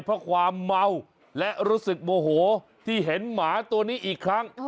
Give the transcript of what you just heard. เพราะความเมาและรู้สึกโมโหที่เห็นหมาตัวนี้อีกครั้ง